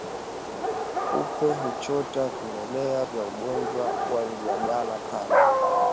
Kupe huchota vimelea vya ugonjwa wa ndigana kali